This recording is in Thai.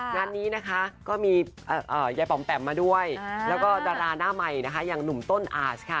งานนี้นะคะก็มียายป๋อมแปมมาด้วยแล้วก็ดาราหน้าใหม่นะคะอย่างหนุ่มต้นอาร์สค่ะ